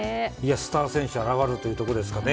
スター選手現れるというところですかね。